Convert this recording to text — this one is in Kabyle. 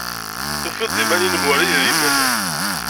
Tufiḍ-d iman-nnem war idrimen.